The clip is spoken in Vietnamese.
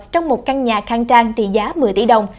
trong một căn nhà khang trang trị giá một mươi tỷ đồng